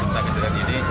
yang penting kita gini